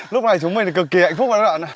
lúc này chúng mình cực kỳ hạnh phúc